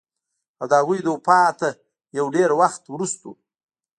او د هغوي د وفات نه يو ډېر وخت وروستو